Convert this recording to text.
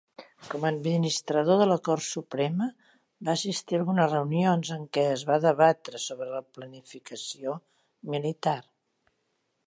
Com a administrador de la Cort Suprema, va assistir a algunes reunions en què es va debatre sobre la planificació militar.